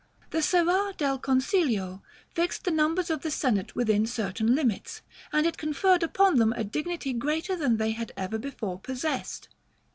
The Serrar del Consiglio fixed the numbers of the Senate within certain limits, and it conferred upon them a dignity greater than they had ever before possessed.